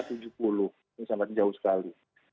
ini sangat jauh sekali